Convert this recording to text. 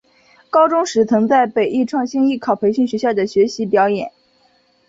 高中时曾在北艺创星艺考培训学校学习表演。